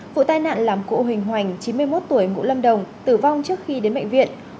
vụ tai nạn làm cụ huỳnh hoành chín mươi một tuổi ngụ lâm đồng tử vong trước khi đến bệnh viện